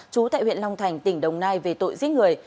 chú tại huyện long thành tỉnh đồng nai về tội giết người